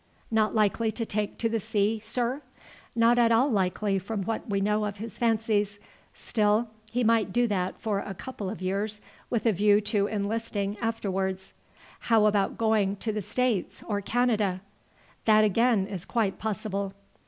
"Not likely to take to the sea, sir?" "Not at all likely from what we know of his fancies. Still he might do that for a couple of years with a view to enlisting afterwards." "How about going to the States or Canada?" "That again is quite possible."